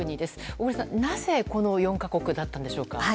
小栗さん、なぜこの４か国だったんでしょうか。